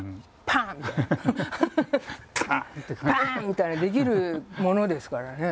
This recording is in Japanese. パン！みたいにできるものですからね。